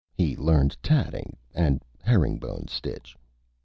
He learned Tatting and the Herring Bone Stitch.